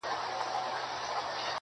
• وخت به ازمېیلی یم ما بخت دی آزمېیلی -